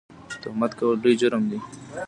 تهمت کول لوی جرم دی